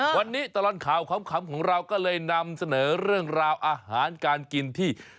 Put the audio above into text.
วันนี้ตลอดข่าวขำของเราก็เลยนำเสนอเรื่องราวอาหารการกินที่